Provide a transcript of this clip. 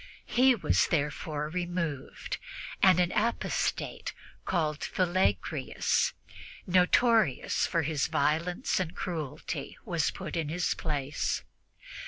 He was therefore removed, and an apostate called Philagrius, notorious for his violence and cruelty, was put in his place.